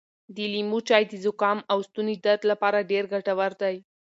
د لیمو چای د زکام او ستوني درد لپاره ډېر ګټور دی.